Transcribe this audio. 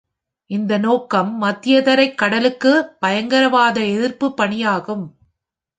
இந்த நோக்கம் மத்தியதரைக் கடலுக்கு பயங்கரவாத எதிர்ப்புப் பணியாகும்.